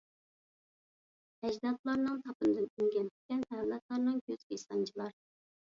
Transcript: ئەجدادلارنىڭ تاپىنىدىن ئۈنگەن تىكەن، ئەۋلادلارنىڭ كۆزىگە سانجىلار.